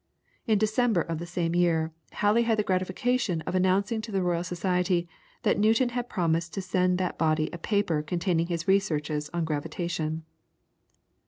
In December of the same year Halley had the gratification of announcing to the Royal Society that Newton had promised to send that body a paper containing his researches on Gravitation.